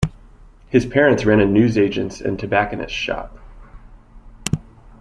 His parents ran a newsagent's and tobacconist's shop.